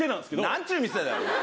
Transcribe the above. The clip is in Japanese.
何ちゅう店だよ。